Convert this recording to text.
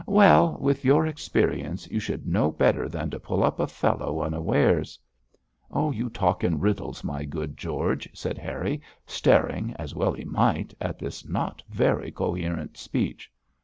'Well, with your experience, you should know better than to pull up a fellow unawares.' 'You talk in riddles, my good George,' said Harry, staring, as well he might, at this not very coherent speech.